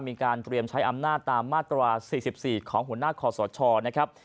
มีการเตรียมใช้อำนาจตามมาตรา๔๔ของหัวหน้าคอสชนะครับ